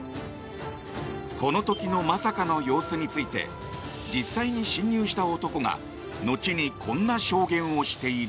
この時のまさかの様子について実際に侵入した男が後に、こんな証言をしている。